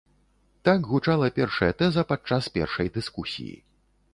Так гучала першая тэза падчас першай дыскусіі.